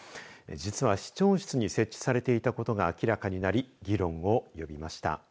実は、市長室に設置されていたことが明らかになり議論を呼びました。